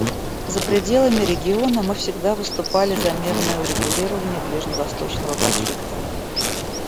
За пределами региона мы всегда выступали за мирное урегулирование ближневосточного конфликта.